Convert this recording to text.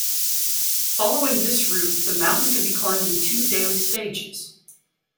Following this route the mountain can be climbed in two daily stages.